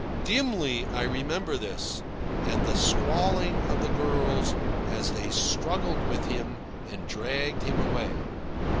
Dimly I remember this, and the squalling of the girls as they struggled with him and dragged him away.